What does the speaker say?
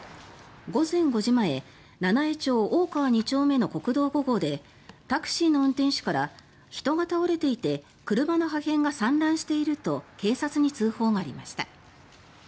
午前５時前七飯町大川２丁目の国道５号でタクシーの運転手から人が倒れていて車の破片が散乱していると警察に通報がありました。